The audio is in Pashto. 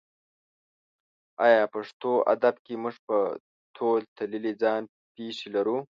ایا په پښتو ادب کې موږ په تول تللې ځان پېښې لرو؟